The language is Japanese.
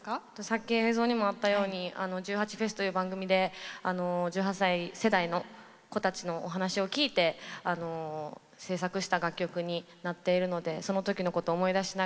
さっき映像にもあったように「１８祭」という番組で１８歳世代の子たちのお話を聞いて制作した楽曲になっているのでその時のことを思い出しながら歌えたらなと思います。